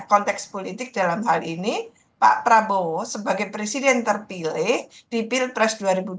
konteks politik dalam hal ini pak prabowo sebagai presiden terpilih di pilpres dua ribu dua puluh